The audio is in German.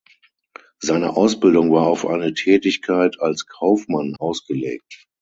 Seine Ausbildung war auf eine Tätigkeit als Kaufmann ausgelegt.